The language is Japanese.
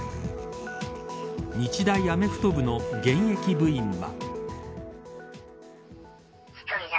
日大アメフト部の現役部員は。